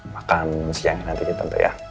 makan siang nanti ditentu ya